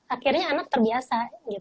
akhirnya anak terbiasa